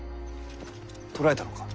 捕らえたのか。